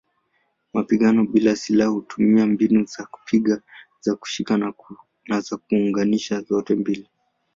Mapigano bila silaha hutumia mbinu za kupiga, za kushika na za kuunganisha zote mbili.